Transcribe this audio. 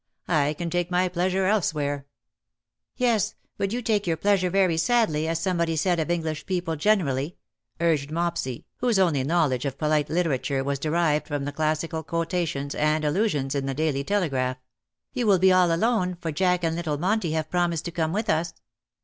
I can take my pleasure elsewhere/^ "Yes; but you take your pleasure very sadly, as somebody said of English people generally/^ urged Mopsy, whose only knowledge of polite literature was derived from the classical quotations and allusions in the Daily Telegraph ;" you will be all alone, for Jack and little Monty have promised to come with us."